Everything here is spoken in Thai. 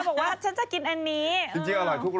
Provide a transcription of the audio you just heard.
บอกว่าชั้นจะกินอันนี้จริงจริงเอาเหล้าทุกรส